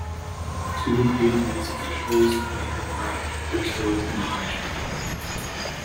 Two Vietnamese officials on the aircraft were killed in the hijacking.